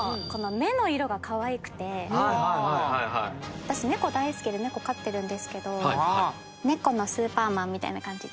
私猫大好きで猫飼ってるんですけど猫のスーパーマンみたいな感じで。